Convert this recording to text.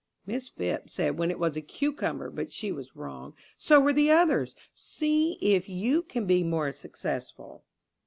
Miss Phipps said when it was a cucumber; but she was wrong. So were the others. See if you can be more successful.